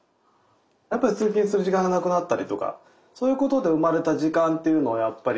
やっぱり通勤する時間がなくなったりとかそういうことで生まれた時間っていうのをやっぱり有意義に使える。